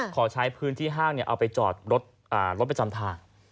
ขอใช้พื้นที่ห้างเอาไปจอดรถประจำทาง